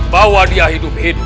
bahwa dia hidup hidup